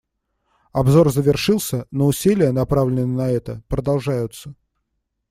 Обзор завершился, но усилия, направленные на это, продолжаются.